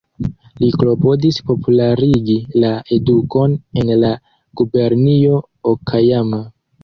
Li klopodis popularigi la edukon en la gubernio Okajama.